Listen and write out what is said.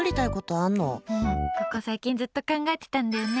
ここ最近ずっと考えてたんだよね。